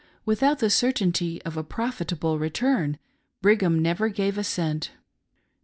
Without the certainty of a profitable return, Brigham never gave a cent.